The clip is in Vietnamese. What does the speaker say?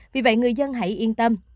vì vậy người dân hãy yên tâm